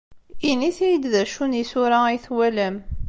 Init-iyi-d d acu n yisura ay twalam.